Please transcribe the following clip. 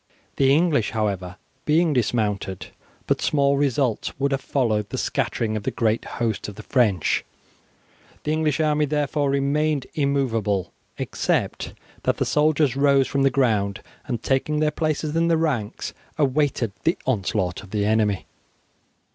The English, however, being dismounted, but small results would have followed the scattering of the great host of the French. The English army therefore remained immovable, except that the soldiers rose from the ground, and taking their places in the ranks, awaited the onslaught of the enemy.